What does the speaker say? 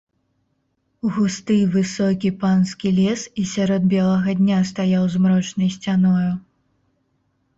Густы, высокі панскі лес і сярод белага дня стаяў змрочнай сцяною.